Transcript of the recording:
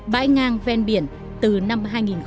bãi ngang ven biển từ năm hai nghìn một mươi